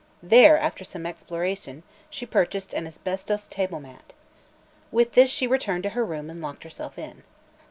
There, after some exploration, she purchased an asbestos table mat. With this she returned to her room and locked herself in.